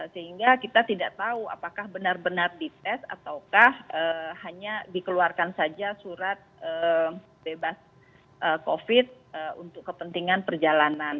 sehingga kita tidak tahu apakah benar benar dites ataukah hanya dikeluarkan saja surat bebas covid untuk kepentingan perjalanan